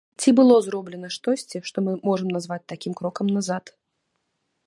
Ці было зроблена штосьці, што мы можам назваць такім крокам назад?